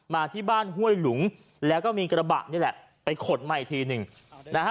มาที่บ้านห้วยหลุงแล้วก็มีกระบะนี่แหละไปขดใหม่อีกทีหนึ่งนะฮะ